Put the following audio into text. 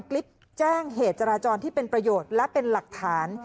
คลิปแจ้งเหตุจราจรที่เป็นประโยชน์และเป็นหลักฐาน